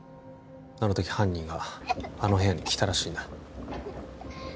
あの時犯人があの部屋に来たらしいんだ